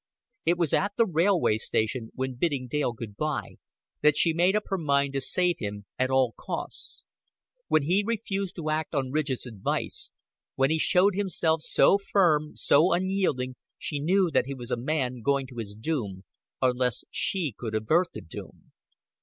It was at the railway station, when bidding Dale good by, that she made up her mind to save him at all costs. When he refused to act on Ridgett's advice, when he showed himself so firm, so unyielding, she knew that he was a man going to his doom, unless she could avert the doom.